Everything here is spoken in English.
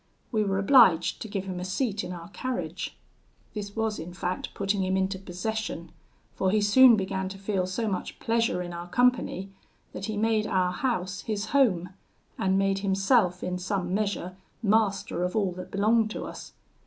We were obliged to give him a seat in our carriage. This was in fact putting him into possession, for he soon began to feel so much pleasure in our company, that he made our house his home, and made himself in some measure master of all that belonged to us.